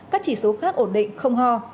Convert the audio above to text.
các chỉ số khác ổn định không ho